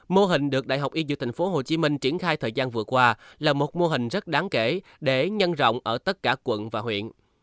mô hình được đại học y dược tp hcm triển khai thời gian vừa qua là một mô hình rất đáng kể để nhân rộng ở tất cả quận và huyện